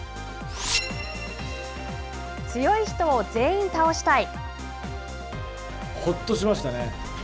強い人を全員倒したい！